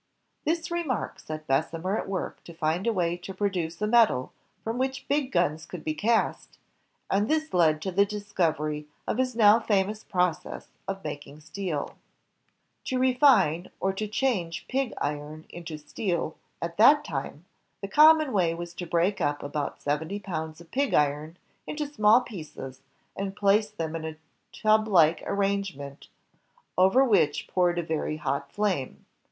This remark set Bessemer at work to find a way to produce a metal from which big guns could be cast, and this led to the discovery of his now famous process of making steel. To refine, or to change pig iron into steel, at that time, the common way was to break up about seventy pounds of pig iron into small pieces, and place them in a tub like arrangement, over which poured a very hot flame.